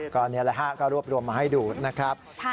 ก็นี่แหละฮะก็รวบรวมมาให้ดูนะครับ